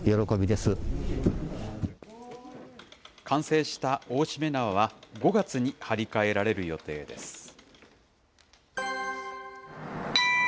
完成した大しめ縄は、５月に張り替えられる予定です。